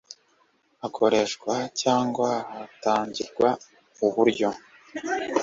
hakoreshwa cyangwa hatangirwa uburyo